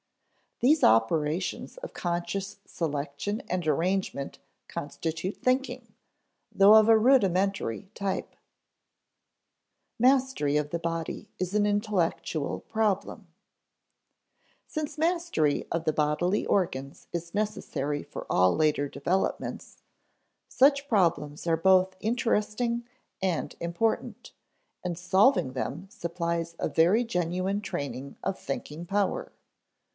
These operations of conscious selection and arrangement constitute thinking, though of a rudimentary type. [Sidenote: Mastery of the body is an intellectual problem] Since mastery of the bodily organs is necessary for all later developments, such problems are both interesting and important, and solving them supplies a very genuine training of thinking power.